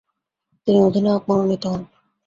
তিনি অধিনায়ক মনোনীত হন।